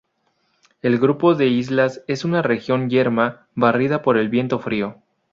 El grupo de islas es una región yerma, barrida por el viento frío.